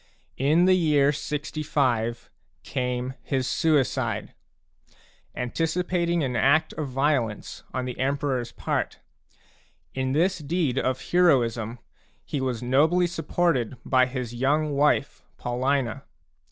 In the year 65 came his suicide, anticipating an act of violence on the Emperors part; in this deed of heroism he was nobly supported by his young wife f Paulina.